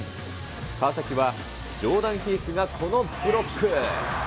川崎は、ジョーダン・ヒースがこのブロック。